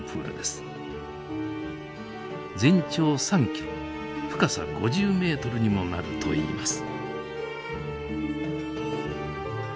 全長３ｋｍ深さ５０ｍにもなるといいます。